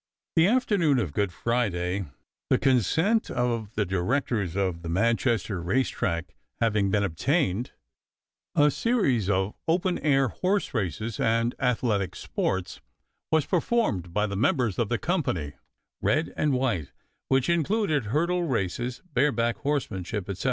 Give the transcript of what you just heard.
The afternoon of Good Friday, the consent of the directors of the Manchester race track having been obtained, a series of open air horse races and athletic sports was performed by the members of the company red and white which included hurdle races, bareback horsemanship, etc.